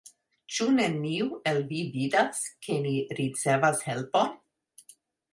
Ĉu neniu el vi vidas, ke ni ricevas helpon?